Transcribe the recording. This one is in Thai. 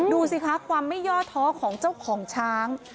ดูสิคะความไม่ย่อท้อของเจ้าของช้าง